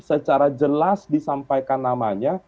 secara jelas disampaikan namanya